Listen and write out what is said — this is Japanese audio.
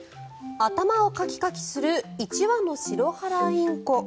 頭をカキカキする１羽のシロハラインコ。